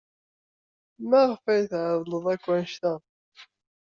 Maɣef ay tɛeḍḍled akk anect-a?